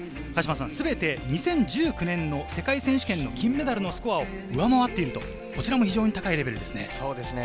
全て２０１９年の世界選手権の金メダルのスコアを上回っている、非常に高いレベルですね。